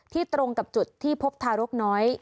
ตรงกับจุดที่พบทารกน้อย